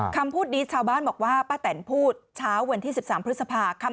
คำพูดนี้ชาวบ้านบอกว่าป้าแตนพูดเช้าวันที่๑๓พฤษภาคม